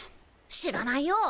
知らないよ。